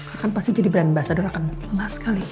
akan pasti jadi brand ambassador akan lemah sekali